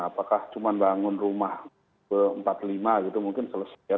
apakah cuma bangun rumah empat puluh lima gitu mungkin selesai ya